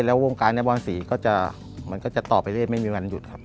แล้วโมงการในบอนสีก็จะต่อไปเรื่อยไม่มีวันหยุดครับ